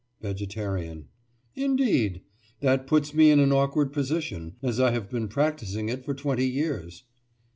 VEGETARIAN: Indeed! That puts me in an awkward position, as I have been practising it for twenty years.